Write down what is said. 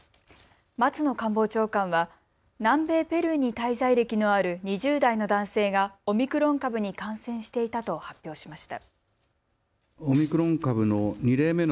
松野官房長官は南米ペルーに滞在歴のある２０代の男性がオミクロン株に感染していたと発表しました。